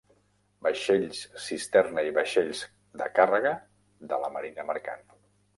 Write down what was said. Vaixells cisterna i vaixells de càrrega de la marina mercant.